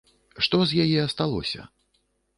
Што з яе асталося?